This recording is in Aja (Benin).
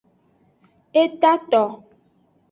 Etato.